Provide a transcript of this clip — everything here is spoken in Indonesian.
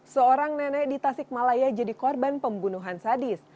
seorang nenek di tasik malaya jadi korban pembunuhan sadis